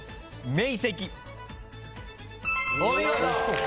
お見事！